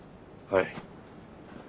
はい。